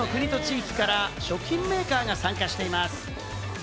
世界１０の国と地域から食品メーカーが参加しています。